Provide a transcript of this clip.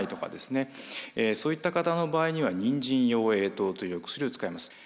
そういった方の場合には人参養栄湯というお薬を使います。